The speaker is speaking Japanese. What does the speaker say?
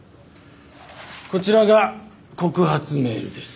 こちらが告発メールです。